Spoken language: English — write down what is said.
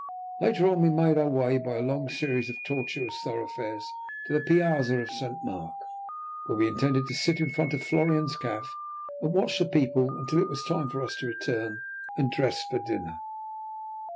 Later on we made our way, by a long series of tortuous thoroughfares, to the piazza of Saint Mark, where we intended to sit in front of Florian's café and watch the people until it was time for us to return and dress for dinner.